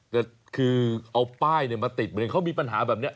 ก็คือเอาป้ายมาติดเหมือนเขามีปัญหาแบบนี้